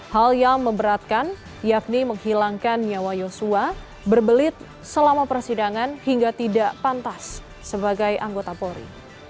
hal yang memberatkan yakni menghilangkan nyawa yosua berbelit selama persidangan hingga tidak pantas sebagai anggota polri